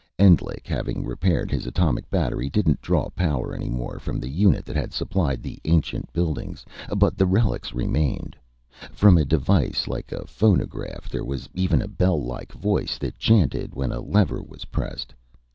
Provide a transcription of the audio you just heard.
Endlich, having repaired his atomic battery, didn't draw power anymore from the unit that had supplied the ancient buildings. But the relics remained. From a device like a phonograph, there was even a bell like voice that chanted when a lever was pressed.